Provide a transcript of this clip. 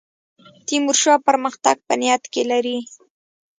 تیمورشاه پرمختګ په نیت کې لري.